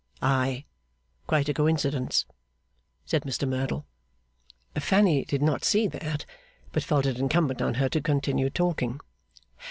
'Aye! Quite a coincidence,' said Mr Merdle. Fanny did not see that; but felt it incumbent on her to continue talking.